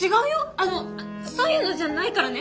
あのそういうのじゃないからね？